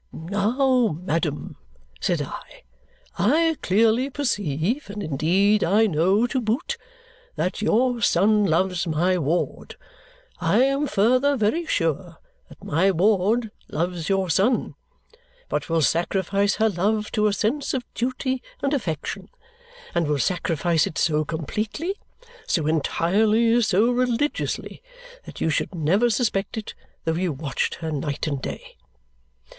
'Now, madam,' said I, 'I clearly perceive and indeed I know, to boot that your son loves my ward. I am further very sure that my ward loves your son, but will sacrifice her love to a sense of duty and affection, and will sacrifice it so completely, so entirely, so religiously, that you should never suspect it though you watched her night and day.'